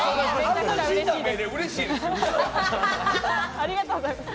ありがとうございます。